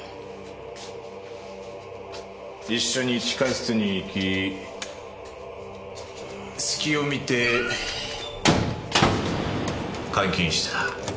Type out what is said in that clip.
一緒に地下室に行き隙をみて監禁した。